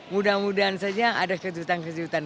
mudah mudahan saja ada kejutan kejutan